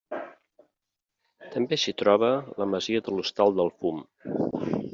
També s'hi troba la Masia de l'Hostal del Fum.